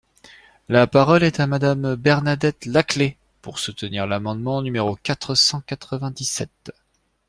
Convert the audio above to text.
La parole est à Madame Bernadette Laclais, pour soutenir l’amendement numéro quatre cent quatre-vingt-dix-sept.